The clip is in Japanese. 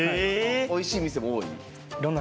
おいしい店も多い？